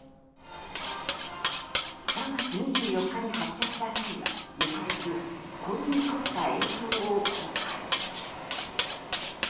３月２４日に発射した際は、翌日凝りに凝った映像を公開。